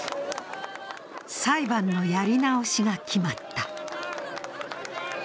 裁判のやり直しが決まった。